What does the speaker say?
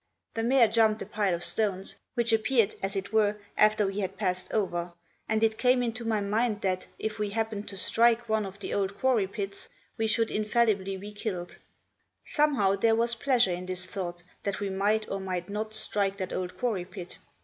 The mare jumped a pile of stones, which appeared, as it were, after we had passed over; and it came into my mind that, if we happened to strike one of the old quarry pits, we should infallibly be killed. Somehow, there was pleasure in this thought, that we might, or might not, strike that old quarry pit.